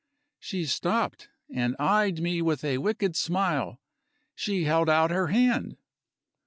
She stopped, and eyed me with a wicked smile; she held out her hand.